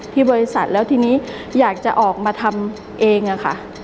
ที่บริษัทแล้วทีนี้อยากจะออกมาทำเองอะค่ะ